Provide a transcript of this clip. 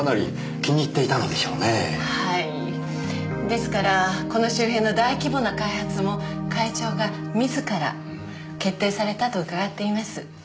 ですからこの周辺の大規模な開発も会長が自ら決定されたと伺っています。